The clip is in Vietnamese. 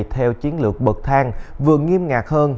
theo chiến lược bật thang vừa nghiêm ngạc hơn